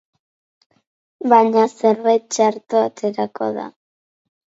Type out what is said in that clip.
Baina, zerbait txarto aterako da.